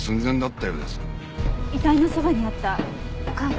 遺体のそばにあったカードは？